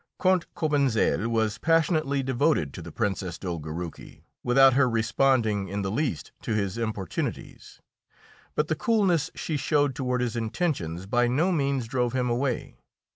Count Cobentzel was passionately devoted to the Princess Dolgoruki, without her responding in the least to his importunities; but the coolness she showed toward his intentions by no means drove him away.